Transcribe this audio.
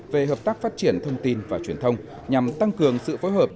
về hợp tác phát triển thông tin và truyền thông nhằm tăng cường sự phối hợp